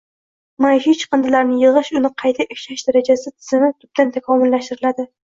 Maishiy chiqindilarni yig‘ish, uni qayta ishlash darajasi tizimi tubdan takomillashtiriladi.